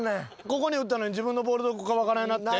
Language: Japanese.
ここに打ったのに自分のボールどこかわからんようになって？